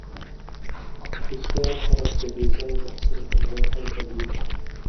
هوښیار خلک د بېځایه بحثونو پر ځای حل ته ګوري.